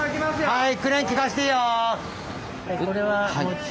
はい。